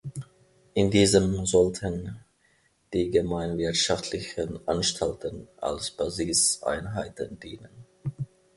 In diesem sollten die gemeinwirtschaftlichen Anstalten als Basiseinheiten dienen.